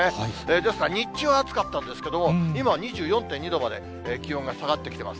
ですが、日中は暑かったんですけれども、今は２４．２度まで気温が下がってきてます。